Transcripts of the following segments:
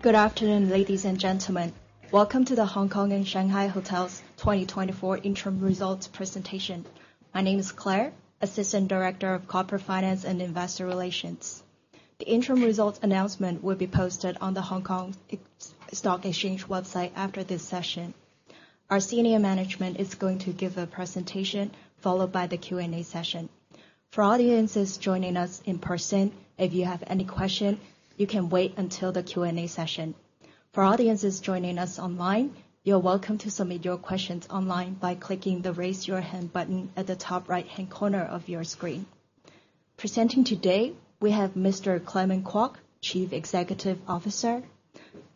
Good afternoon, ladies and gentlemen. Welcome to the Hong Kong and Shanghai Hotels 2024 interim results presentation. My name is Claire Yau, Assistant Director of Corporate Finance and Investor Relations. The interim results announcement will be posted on the Hong Kong Stock Exchange website after this session. Our Senior Management is going to give a presentation followed by the Q&A session. For audiences joining us in person, if you have any questions, you can wait until the Q&A session. For audiences joining us online, you're welcome to submit your questions online by clicking the Raise Your Hand button at the top right-hand corner of your screen. Presenting today, we have Mr. Clement Kwok, Chief Executive Officer,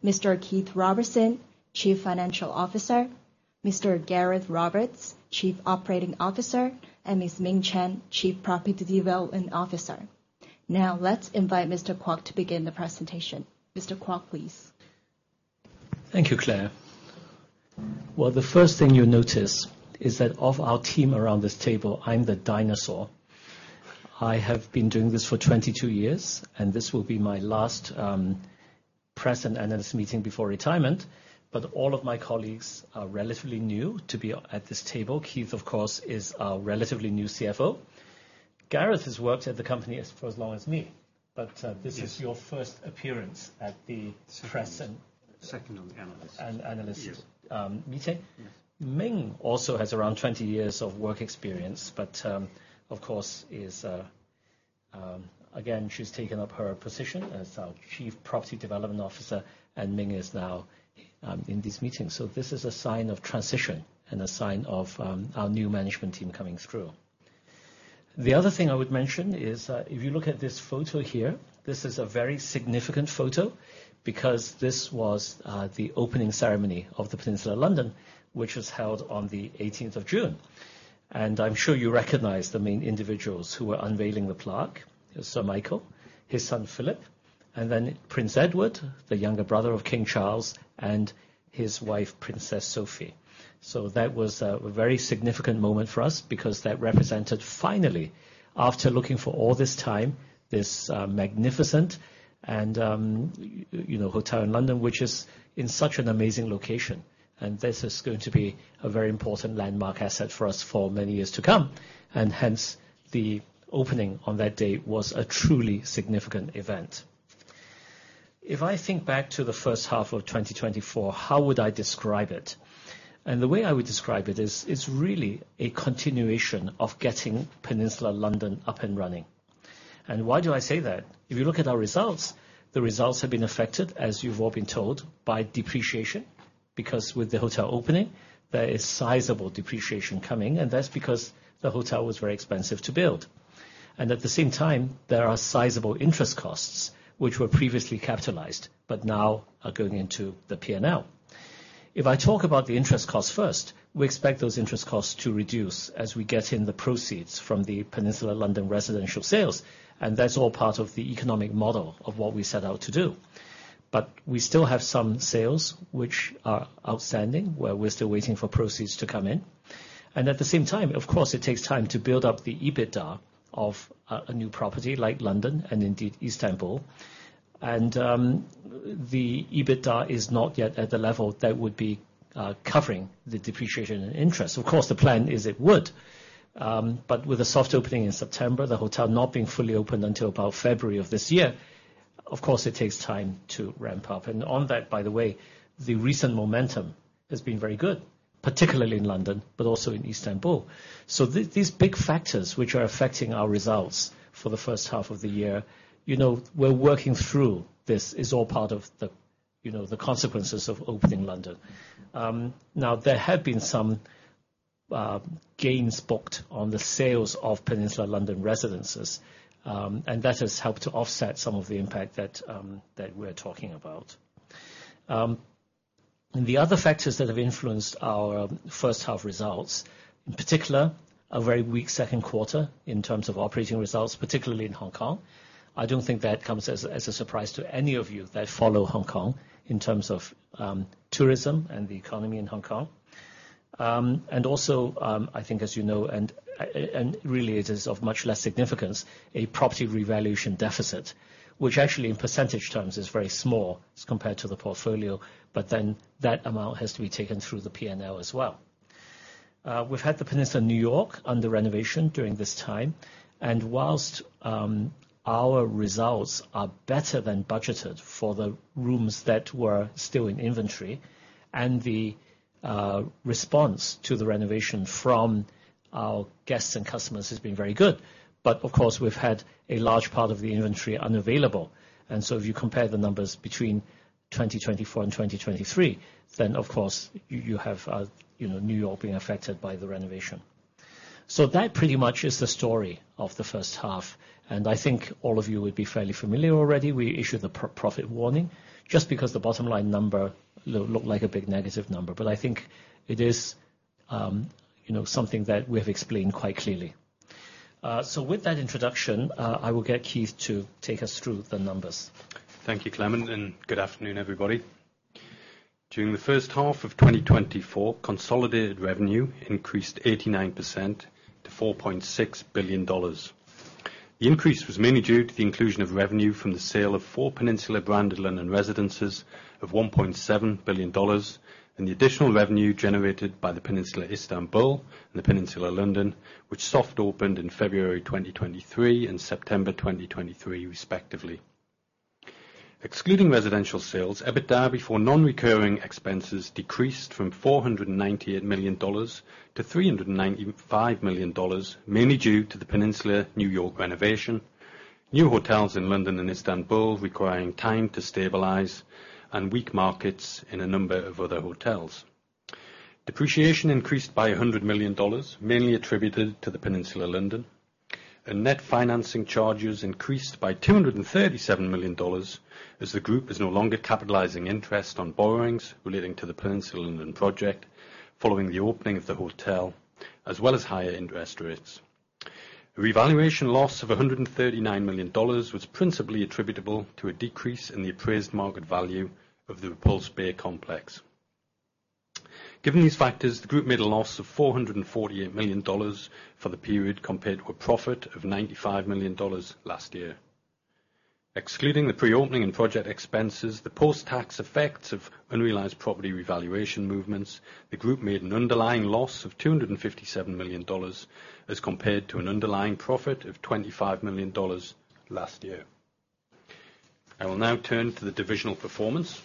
Mr. Keith Robertson, Chief Financial Officer, Mr. Gareth Roberts, Chief Operating Officer, and Ms. Ming Chen, Chief Property Development Officer. Now, let's invite Mr. Kwok to begin the presentation. Mr. Kwok, please. Thank you, Claire. Well, the first thing you'll notice is that of our team around this table, I'm the dinosaur. I have been doing this for 22 years, and this will be my last press and analyst meeting before retirement. But all of my colleagues are relatively new to be at this table. Keith, of course, is a relatively new CFO. Gareth has worked at the company for as long as me, but this is your first appearance at the press and. Second, the analyst. Analyst meeting. Ming also has around 20 years of work experience, but, of course, again, she's taken up her position as our Chief Property Development Officer, and Ming is now in these meetings. So this is a sign of transition and a sign of our new management team coming through. The other thing I would mention is, if you look at this photo here, this is a very significant photo because this was the opening ceremony of The Peninsula London, which was held on the 18th of June. I'm sure you recognize the main individuals who were unveiling the plaque. Sir Michael, his son Philip, and then Prince Edward, the younger brother of King Charles III, and his wife, Sophie. That was a very significant moment for us because that represented, finally, after looking for all this time, this magnificent hotel in London, which is in such an amazing location. This is going to be a very important landmark asset for us for many years to come. Hence, the opening on that day was a truly significant event. If I think back to the first half of 2024, how would I describe it? The way I would describe it is it's really a continuation of getting Peninsula London up and running. Why do I say that? If you look at our results, the results have been affected, as you've all been told, by depreciation because with the hotel opening, there is sizable depreciation coming, and that's because the hotel was very expensive to build. At the same time, there are sizable interest costs which were previously capitalized but now are going into the P&L. If I talk about the interest costs first, we expect those interest costs to reduce as we get in the proceeds from the Peninsula London residential sales, and that's all part of the economic model of what we set out to do. But we still have some sales which are outstanding where we're still waiting for proceeds to come in. At the same time, of course, it takes time to build up the EBITDA of a new property like London and indeed Istanbul. The EBITDA is not yet at the level that would be covering the depreciation and interest. Of course, the plan is it would. But with a soft opening in September, the hotel not being fully opened until about February of this year, of course, it takes time to ramp up. And on that, by the way, the recent momentum has been very good, particularly in London, but also in Istanbul. So these big factors which are affecting our results for the first half of the year, we're working through. This is all part of the consequences of opening London. Now, there have been some gains booked on the sales of Peninsula London residences, and that has helped to offset some of the impact that we're talking about. The other factors that have influenced our first half results, in particular, a very weak second quarter in terms of operating results, particularly in Hong Kong. I don't think that comes as a surprise to any of you that follow Hong Kong in terms of tourism and the economy in Hong Kong. Also, I think, as you know, and really, it is of much less significance, a property revaluation deficit, which actually, in percentage terms, is very small as compared to the portfolio, but then that amount has to be taken through the P&L as well. We've had the Peninsula New York under renovation during this time. While our results are better than budgeted for the rooms that were still in inventory, and the response to the renovation from our guests and customers has been very good, but, of course, we've had a large part of the inventory unavailable. So if you compare the numbers between 2024 and 2023, then, of course, you have New York being affected by the renovation. That pretty much is the story of the first half. I think all of you would be fairly familiar already. We issued the profit warning just because the bottom-line number looked like a big negative number. I think it is something that we have explained quite clearly. With that introduction, I will get Keith to take us through the numbers. Thank you, Clement, and good afternoon, everybody. During the first half of 2024, consolidated revenue increased 89% to HKD 4.6 billion. The increase was mainly due to the inclusion of revenue from the sale of four Peninsula London residences of 1.7 billion dollars and the additional revenue generated by the Peninsula Istanbul and the Peninsula London, which soft opened in February 2023 and September 2023, respectively. Excluding residential sales, EBITDA before non-recurring expenses decreased from HKD 498 million to HKD 395 million, mainly due to the Peninsula New York renovation, new hotels in London and Istanbul requiring time to stabilize, and weak markets in a number of other hotels. Depreciation increased by 100 million dollars, mainly attributed to the Peninsula London. Net financing charges increased by 237 million dollars as the group is no longer capitalizing interest on borrowings relating to the Peninsula London project following the opening of the hotel, as well as higher interest rates. Revaluation loss of 139 million dollars was principally attributable to a decrease in the appraised market value of the Repulse Bay complex. Given these factors, the group made a loss of 448 million dollars for the period compared to a profit of 95 million dollars last year. Excluding the pre-opening and project expenses, the post-tax effects of unrealized property revaluation movements, the group made an underlying loss of 257 million dollars as compared to an underlying profit of 25 million dollars last year. I will now turn to the divisional performance.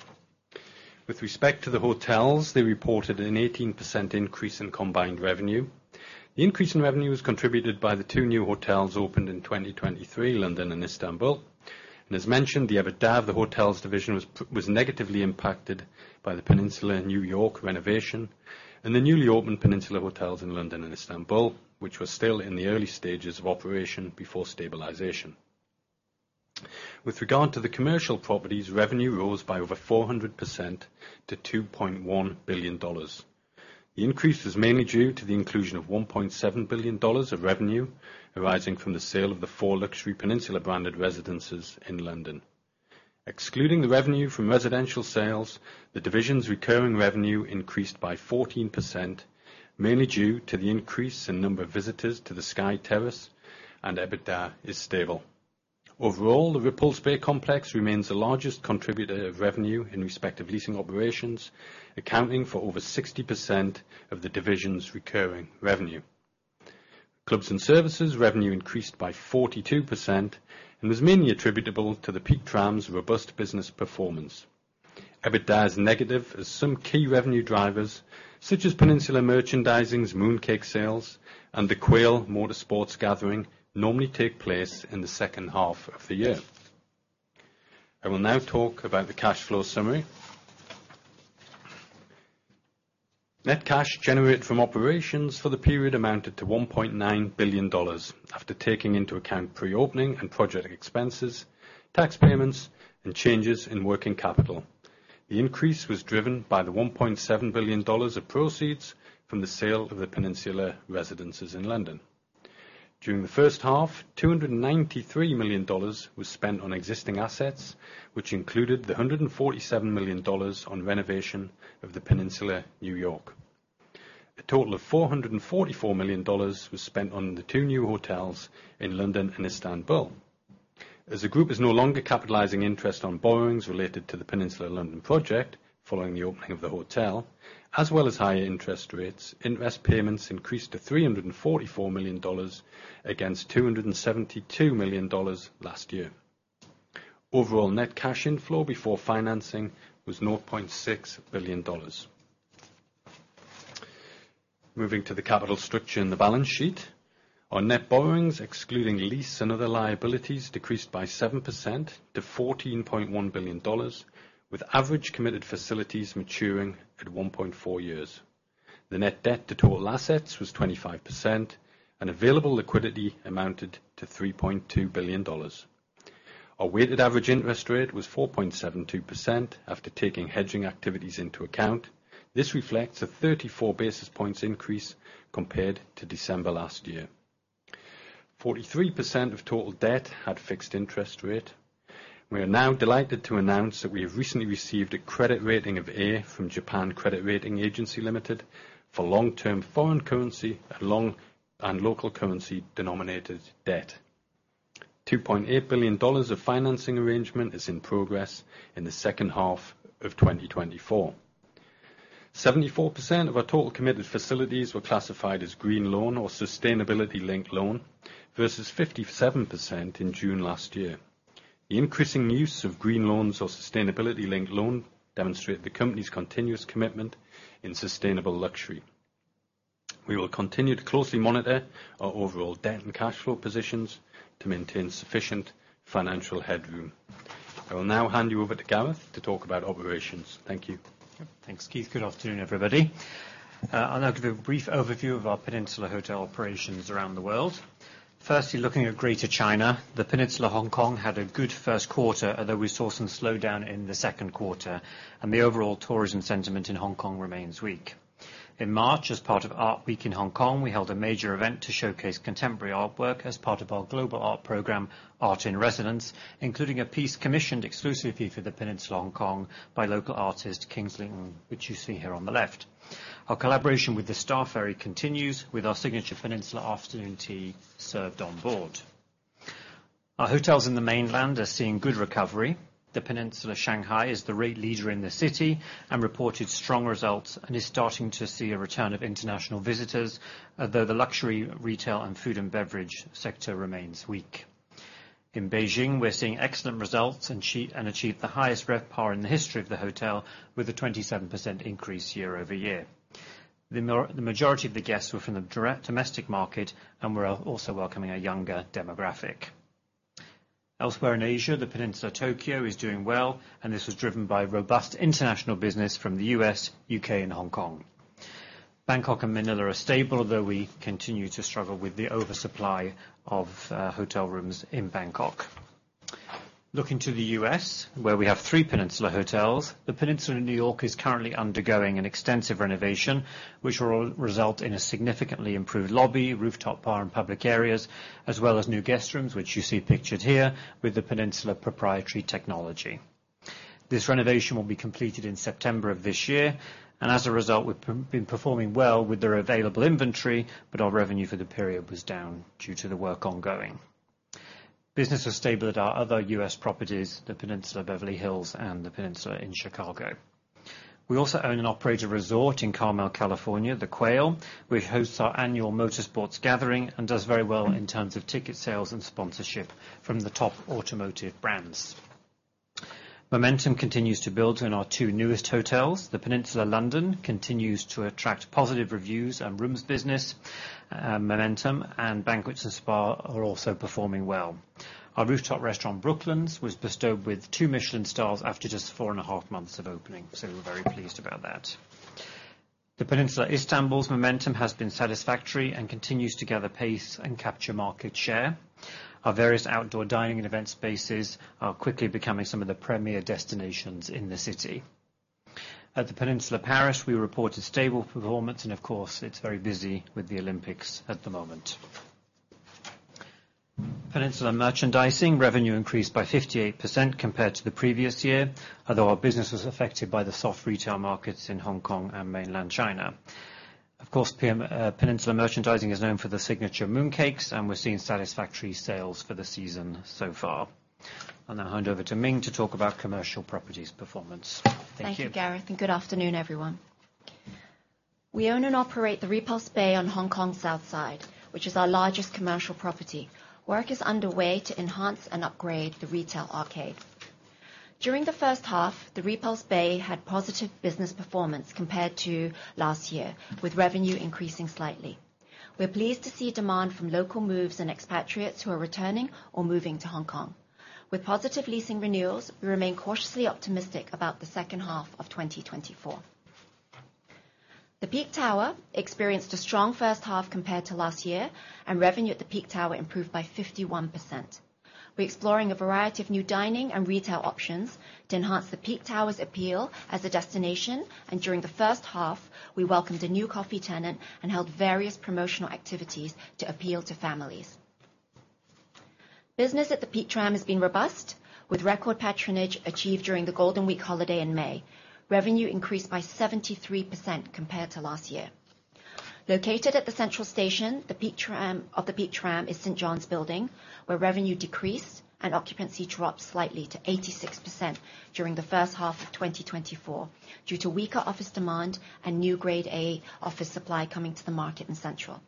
With respect to the hotels, they reported an 18% increase in combined revenue. The increase in revenue was contributed by the two new hotels, The Peninsula London and The Peninsula Istanbul, opened in 2023. And as mentioned, the EBITDA of the hotels division was negatively impacted by the The Peninsula New York renovation and the newly opened The Peninsula London and The Peninsula Istanbul, which were still in the early stages of operation before stabilization. With regard to the commercial properties, revenue rose by over 400% to $2.1 billion. The increase was mainly due to the inclusion of $1.7 billion of revenue arising from the sale of the four luxury the Peninsula Residences London. Excluding the revenue from residential sales, the division's recurring revenue increased by 14%, mainly due to the increase in number of visitors to the Sky Terrace 428, and EBITDA is stable. Overall, The Repulse Bay complex remains the largest contributor of revenue in respect of leasing operations, accounting for over 60% of the division's recurring revenue. Clubs and services revenue increased by 42%, and was mainly attributable to The Peak Tram's robust business performance. EBITDA is negative as some key revenue drivers, such as Peninsula Merchandising's mooncake sales and The Quail, A Motorsports Gathering, normally take place in the second half of the year. I will now talk about the cash flow summary. Net cash generated from operations for the period amounted to 1.9 billion dollars after taking into account pre-opening and project expenses, tax payments, and changes in working capital. The increase was driven by the 1.7 billion dollars of proceeds from the sale of the Peninsula Residences in London. During the first half, 293 million dollars was spent on existing assets, which included the 147 million dollars on renovation of the Peninsula New York. A total of 444 million dollars was spent on the two new hotels in London and Istanbul. As the group is no longer capitalizing interest on borrowings related to the Peninsula London project following the opening of the hotel, as well as higher interest rates, interest payments increased to 344 million dollars against 272 million dollars last year. Overall net cash inflow before financing was 0.6 billion dollars. Moving to the capital structure in the balance sheet, our net borrowings, excluding lease and other liabilities, decreased by 7% to 14.1 billion dollars, with average committed facilities maturing at 1.4 years. The net debt to total assets was 25%, and available liquidity amounted to 3.2 billion dollars. Our weighted average interest rate was 4.72% after taking hedging activities into account. This reflects a 34 basis points increase compared to December last year. 43% of total debt had fixed interest rate. We are now delighted to announce that we have recently received a credit rating of A from Japan Credit Rating Agency, Ltd. for long-term foreign currency and local currency denominated debt. $2.8 billion of financing arrangement is in progress in the second half of 2024. 74% of our total committed facilities were classified as Green Loan or Sustainability-linked Loan versus 57% in June last year. The increasing use of Green Loans or Sustainability-linked Loans demonstrates the company's continuous commitment in sustainable luxury. We will continue to closely monitor our overall debt and cash flow positions to maintain sufficient financial headroom. I will now hand you over to Gareth to talk about operations. Thank you. Thanks, Keith. Good afternoon, everybody. I'll now give a brief overview of our The Peninsula Hotels operations around the world. Firstly, looking at Greater China, The Peninsula Hong Kong had a good first quarter, although we saw some slowdown in the second quarter, and the overall tourism sentiment in Hong Kong remains weak. In March, as part of Art Week in Hong Kong, we held a major event to showcase contemporary artwork as part of our global art program, Art in Resonance, including a piece commissioned exclusively for The Peninsula Hong Kong by local artist Kingsley Ng, which you see here on the left. Our collaboration with the Star Ferry continues with our signature Peninsula afternoon tea served on board. Our hotels in the mainland are seeing good recovery. The Peninsula Shanghai is the rate leader in the city and reported strong results and is starting to see a return of international visitors, although the luxury retail and food and beverage sector remains weak. In Beijing, we're seeing excellent results and achieved the highest RevPAR in the history of the hotel with a 27% increase year-over-year. The majority of the guests were from the domestic market and were also welcoming a younger demographic. Elsewhere in Asia, the Peninsula Tokyo is doing well, and this was driven by robust international business from the U.S., U.K., and Hong Kong. Bangkok and Manila are stable, although we continue to struggle with the oversupply of hotel rooms in Bangkok. Looking to the U.S., where we have 3 Peninsula hotels, The Peninsula New York is currently undergoing an extensive renovation, which will result in a significantly improved lobby, rooftop bar, and public areas, as well as new guest rooms, which you see pictured here with the Peninsula proprietary technology. This renovation will be completed in September of this year, and as a result, we've been performing well with the available inventory, but our revenue for the period was down due to the work ongoing. Business was stable at our other U.S. properties, The Peninsula Beverly Hills and The Peninsula Chicago. We also own and operate a resort in Carmel, California, The Quail, which hosts our annual motorsports gathering and does very well in terms of ticket sales and sponsorship from the top automotive brands. Momentum continues to build in our 2 newest hotels. The Peninsula London continues to attract positive reviews and rooms business momentum, and banquet and spa are also performing well. Our rooftop restaurant, Brooklands, was bestowed with two Michelin stars after just four and a half months of opening, so we're very pleased about that. The Peninsula Istanbul's momentum has been satisfactory and continues to gather pace and capture market share. Our various outdoor dining and event spaces are quickly becoming some of the premier destinations in the city. At The Peninsula Paris, we reported stable performance, and of course, it's very busy with the Olympics at the moment. Peninsula Merchandising revenue increased by 58% compared to the previous year, although our business was affected by the soft retail markets in Hong Kong and mainland China. Of course, Peninsula Merchandising is known for the signature mooncakes, and we're seeing satisfactory sales for the season so far. I'll now hand over to Ming to talk about commercial properties performance. Thank you. Thank you, Gareth, and good afternoon, everyone. We own and operate The Repulse Bay on Hong Kong's south side, which is our largest commercial property. Work is underway to enhance and upgrade the retail arcade. During the first half, The Repulse Bay had positive business performance compared to last year, with revenue increasing slightly. We're pleased to see demand from local moves and expatriates who are returning or moving to Hong Kong. With positive leasing renewals, we remain cautiously optimistic about the second half of 2024. The Peak Tower experienced a strong first half compared to last year, and revenue at The Peak Tower improved by 51%. We're exploring a variety of new dining and retail options to enhance The Peak Tower's appeal as a destination, and during the first half, we welcomed a new coffee tenant and held various promotional activities to appeal to families. Business at The Peak Tram has been robust, with record patronage achieved during the Golden Week holiday in May. Revenue increased by 73% compared to last year. Located at the Central Station, the lower terminus of The Peak Tram is St. John's Building, where revenue decreased and occupancy dropped slightly to 86% during the first half of 2024 due to weaker office demand and new Grade A office supply coming to the market in Central.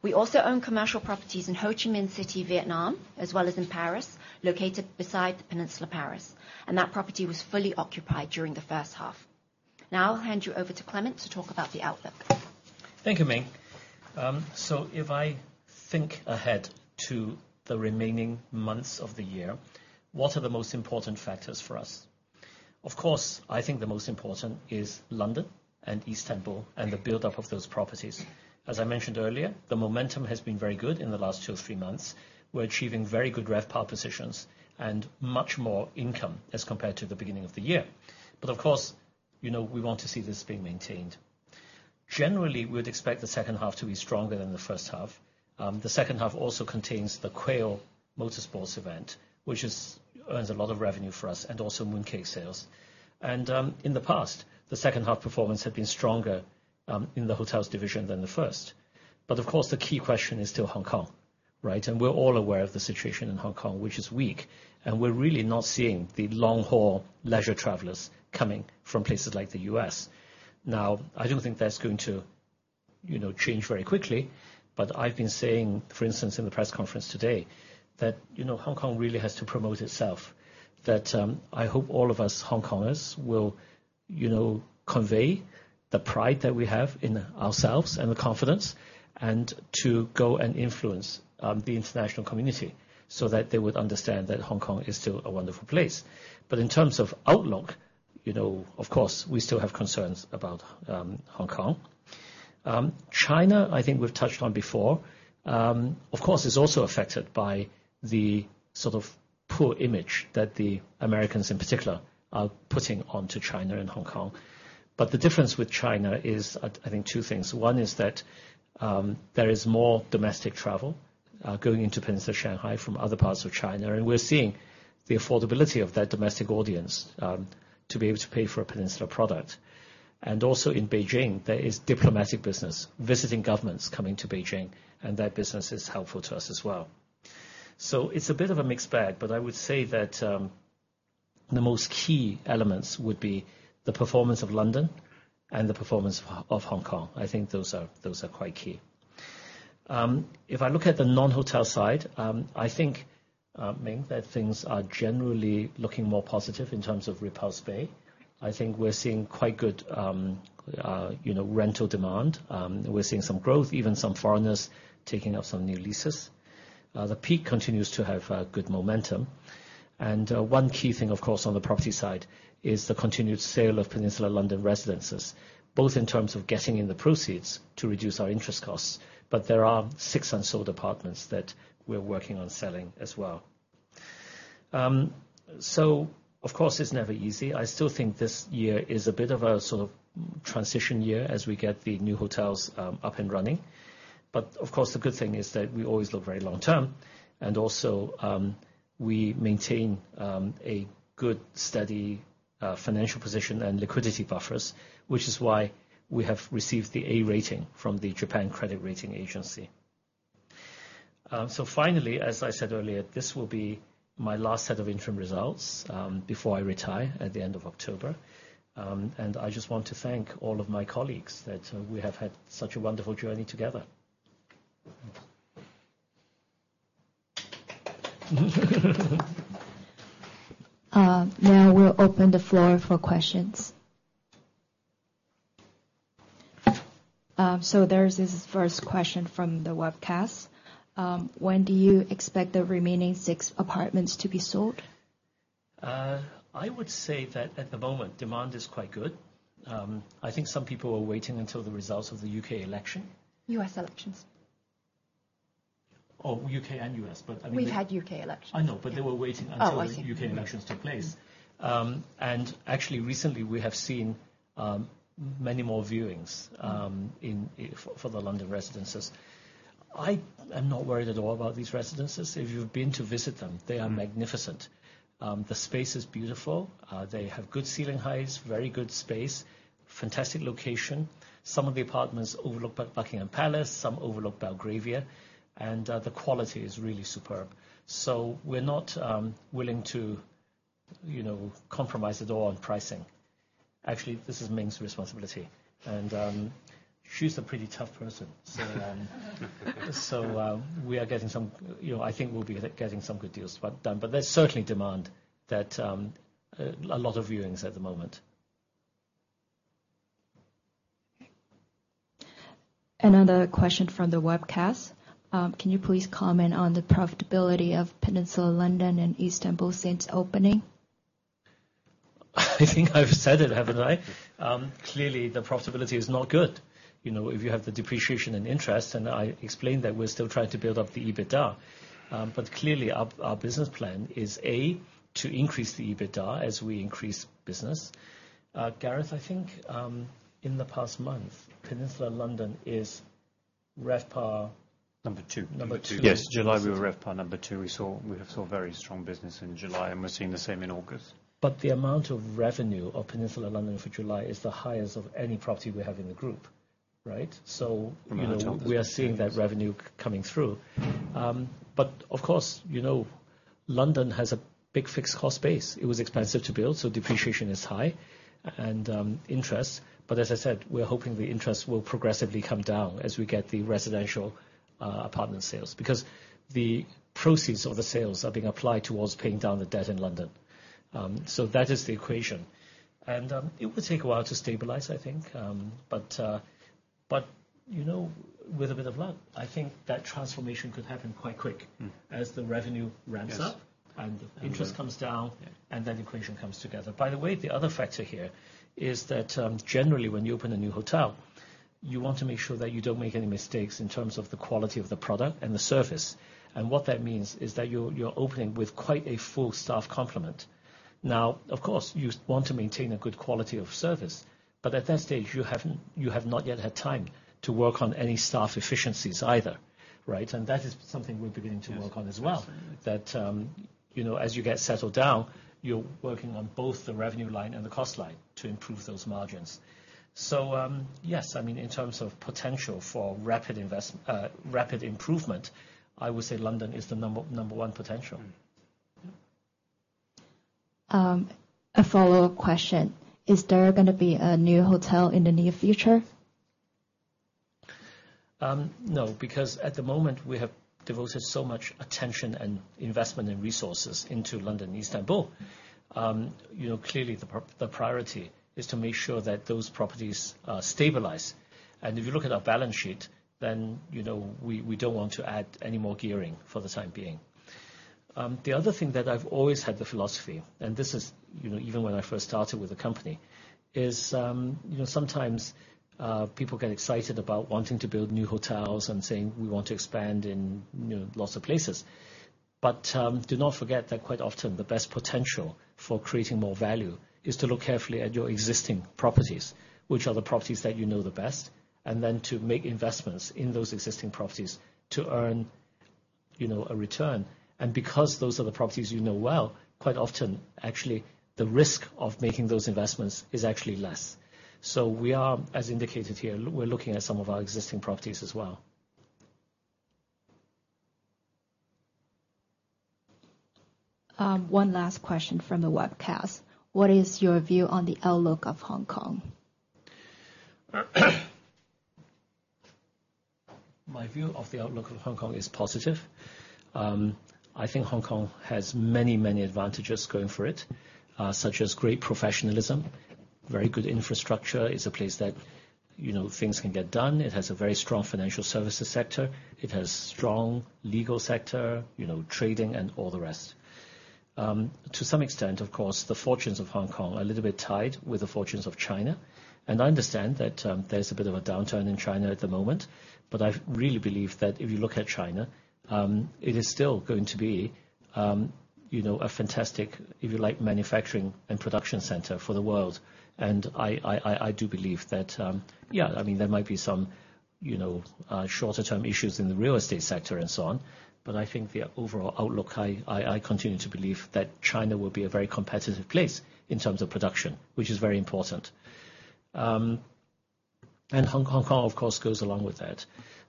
We also own commercial properties in Ho Chi Minh City, Vietnam, as well as in Paris, located beside The Peninsula Paris, and that property was fully occupied during the first half. Now I'll hand you over to Clement to talk about the outlook. Thank you, Ming. So if I think ahead to the remaining months of the year, what are the most important factors for us? Of course, I think the most important is London and Istanbul and the buildup of those properties. As I mentioned earlier, the momentum has been very good in the last two or three months. We're achieving very good RevPAR positions and much more income as compared to the beginning of the year. But of course, we want to see this being maintained. Generally, we would expect the second half to be stronger than the first half. The second half also contains the Quail Motorsports event, which earns a lot of revenue for us and also mooncake sales. And in the past, the second half performance had been stronger in the hotels division than the first. But of course, the key question is still Hong Kong, right? And we're all aware of the situation in Hong Kong, which is weak, and we're really not seeing the long-haul leisure travelers coming from places like the U.S. Now, I don't think that's going to change very quickly, but I've been saying, for instance, in the press conference today that Hong Kong really has to promote itself. I hope all of us Hong Kongers will convey the pride that we have in ourselves and the confidence and to go and influence the international community so that they would understand that Hong Kong is still a wonderful place. But in terms of outlook, of course, we still have concerns about Hong Kong. China, I think we've touched on before, of course, is also affected by the sort of poor image that the Americans in particular are putting onto China and Hong Kong. But the difference with China is, I think, two things. One is that there is more domestic travel going into Peninsula Shanghai from other parts of China, and we're seeing the affordability of that domestic audience to be able to pay for a Peninsula product. And also in Beijing, there is diplomatic business, visiting governments coming to Beijing, and that business is helpful to us as well. So it's a bit of a mixed bag, but I would say that the most key elements would be the performance of London and the performance of Hong Kong. I think those are quite key. If I look at the non-hotel side, I think, Ming, that things are generally looking more positive in terms of The Repulse Bay. I think we're seeing quite good rental demand. We're seeing some growth, even some foreigners taking up some new leases. The Peak continues to have good momentum. And one key thing, of course, on the property side is the continued sale of The Peninsula Residences London, both in terms of getting in the proceeds to reduce our interest costs, but there are six or so apartments that we're working on selling as well. So, of course, it's never easy. I still think this year is a bit of a sort of transition year as we get the new hotels up and running. Of course, the good thing is that we always look very long-term, and also we maintain a good, steady financial position and liquidity buffers, which is why we have received the A rating from the Japan Credit Rating Agency. Finally, as I said earlier, this will be my last set of interim results before I retire at the end of October. I just want to thank all of my colleagues that we have had such a wonderful journey together. Now we'll open the floor for questions. There's this first question from the webcast. When do you expect the remaining six apartments to be sold? I would say that at the moment, demand is quite good. I think some people are waiting until the results of the U.K. election. U.S. elections. Oh, U.K. and U.S., but I mean. We've had U.K. elections. I know, but they were waiting until the UK elections took place. Actually, recently, we have seen many more viewings for the London residences. I am not worried at all about these residences. If you've been to visit them, they are magnificent. The space is beautiful. They have good ceiling heights, very good space, fantastic location. Some of the apartments overlook Buckingham Palace, some overlook Belgravia, and the quality is really superb. We're not willing to compromise at all on pricing. Actually, this is Ming's responsibility, and she's a pretty tough person. We are getting some, I think we'll be getting some good deals done, but there's certainly demand at a lot of viewings at the moment. Another question from the webcast. Can you please comment on the profitability of Peninsula London and Istanbul since opening? I think I've said it, haven't I? Clearly, the profitability is not good. If you have the depreciation and interest, and I explained that we're still trying to build up the EBITDA. But clearly, our business plan is, A, to increase the EBITDA as we increase business. Gareth, I think in the past month, Peninsula London is RevPAR. Number two. Number two. Yes, July we were RevPAR number two. We saw very strong business in July, and we're seeing the same in August. But the amount of revenue of Peninsula London for July is the highest of any property we have in the group, right? So we are seeing that revenue coming through. But of course, London has a big fixed cost base. It was expensive to build, so depreciation is high and interest. But as I said, we're hoping the interest will progressively come down as we get the residential apartment sales because the proceeds of the sales are being applied towards paying down the debt in London. So that is the equation. And it will take a while to stabilize, I think. But with a bit of luck, I think that transformation could happen quite quick as the revenue ramps up and interest comes down, and that equation comes together. By the way, the other factor here is that generally, when you open a new hotel, you want to make sure that you don't make any mistakes in terms of the quality of the product and the service. And what that means is that you're opening with quite a full staff complement. Now, of course, you want to maintain a good quality of service, but at that stage, you have not yet had time to work on any staff efficiencies either, right? And that is something we're beginning to work on as well, that as you get settled down, you're working on both the revenue line and the cost line to improve those margins. So yes, I mean, in terms of potential for rapid improvement, I would say London is the number one potential. A follow-up question. Is there going to be a new hotel in the near future? No, because at the moment, we have devoted so much attention and investment and resources into London and Istanbul. Clearly, the priority is to make sure that those properties stabilize. If you look at our balance sheet, then we don't want to add any more gearing for the time being. The other thing that I've always had the philosophy, and this is even when I first started with the company, is sometimes people get excited about wanting to build new hotels and saying, "We want to expand in lots of places." But do not forget that quite often, the best potential for creating more value is to look carefully at your existing properties, which are the properties that you know the best, and then to make investments in those existing properties to earn a return. Because those are the properties you know well, quite often, actually, the risk of making those investments is actually less. We are, as indicated here, we're looking at some of our existing properties as well. One last question from the webcast. What is your view on the outlook of Hong Kong? My view of the outlook of Hong Kong is positive. I think Hong Kong has many, many advantages going for it, such as great professionalism, very good infrastructure. It's a place that things can get done. It has a very strong financial services sector. It has a strong legal sector, trading, and all the rest. To some extent, of course, the fortunes of Hong Kong are a little bit tied with the fortunes of China. I understand that there's a bit of a downturn in China at the moment, but I really believe that if you look at China, it is still going to be a fantastic, if you like, manufacturing and production center for the world. And I do believe that, yeah, I mean, there might be some shorter-term issues in the real estate sector and so on, but I think the overall outlook, I continue to believe that China will be a very competitive place in terms of production, which is very important. And Hong Kong, of course, goes along with that.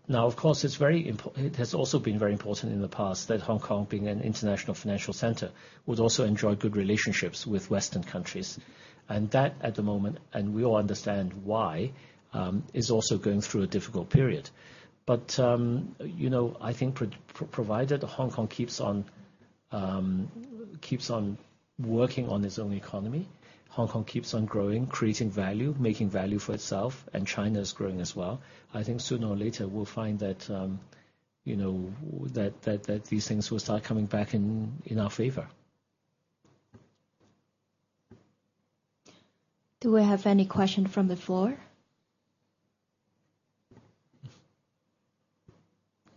Now, of course, it has also been very important in the past that Hong Kong, being an international financial center, would also enjoy good relationships with Western countries. And that at the moment, and we all understand why, is also going through a difficult period. But I think provided Hong Kong keeps on working on its own economy, Hong Kong keeps on growing, creating value, making value for itself, and China is growing as well, I think sooner or later we'll find that these things will start coming back in our favor. Do we have any questions from the floor?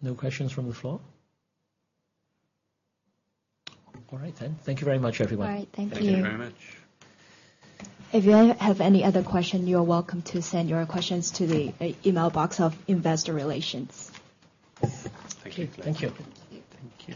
No questions from the floor. All right then. Thank you very much, everyone. All right. Thank you. Thank you very much. If you have any other questions, you're welcome to send your questions to the email box of investor relations. Thank you. Thank you.